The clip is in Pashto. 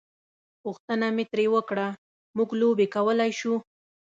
پوښتنه مې ترې وکړه: موږ لوبې کولای شو؟